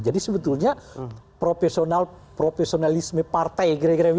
jadi sebetulnya profesionalisme partai